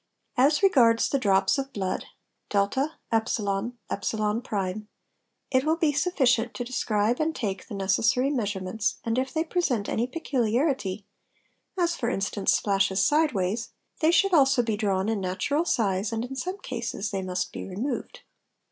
As regards the drops of blood 4, «,¢, it will be sufficient to describe and take the necessary measurements, and if they present any peculiarity, as for instance, splashes sideways, they should also be drawn in natural size and in some cases they must be removed.